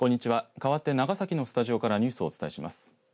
かわって長崎のスタジオからニュースをお伝えします。